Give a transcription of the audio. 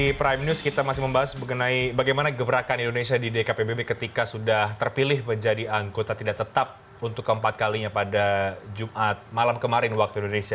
di prime news kita masih membahas mengenai bagaimana gebrakan indonesia di dkpbb ketika sudah terpilih menjadi anggota tidak tetap untuk keempat kalinya pada jumat malam kemarin waktu indonesia